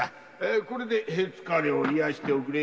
これで疲れをいやしておくれ。